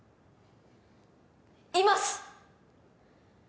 います